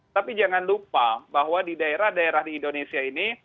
tapi jangan lupa bahwa di daerah daerah di indonesia ini